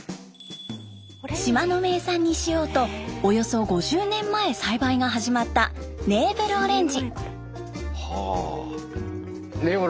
島の名産にしようとおよそ５０年前栽培が始まったネーブルオレンジ。